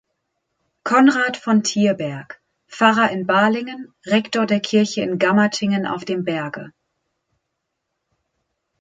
Konrad von Tierberg, Pfarrer in Balingen, Rektor der Kirche in Gammertingen auf dem Berge.